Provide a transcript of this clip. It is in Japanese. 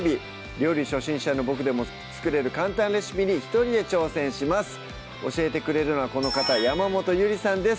料理初心者のボクでも作れる簡単レシピに一人で挑戦します教えてくれるのはこの方山本ゆりさんです